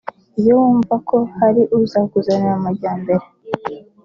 iyo wumva ko hari uzakuzanira amajyambere